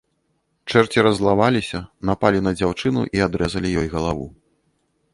Чэрці раззлаваліся, напалі на дзяўчыну і адрэзалі ёй галаву.